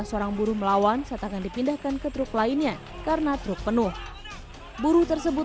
seorang buruh melawan saat akan dipindahkan ke truk lainnya karena truk penuh buruh tersebut